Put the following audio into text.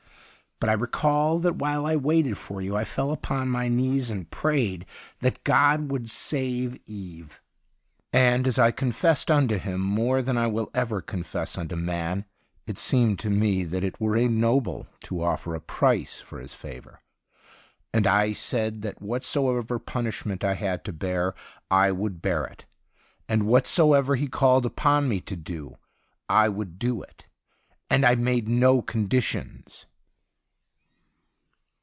But I recall that while I waited for you I fell upon my knees and prayed that God would save Eve. And, as I confessed unto Him more than I will ever confess unto man, it seemed to me that it were ignoble to offer a price for His favour. And I said that what soever punishment I had to bear, I would bear it ; and whatsoever He called upon me to do, I would do it ; and I made no conditions.'